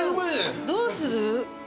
どうする？